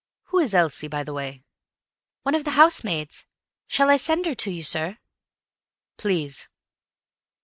Who is Elsie, by the way?" "One of the housemaids. Shall I send her to you, sir?" "Please."